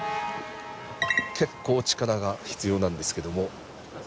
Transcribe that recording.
結構力が必要なんですけども。